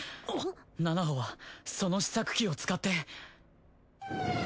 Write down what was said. ナナホはその試作機を使って。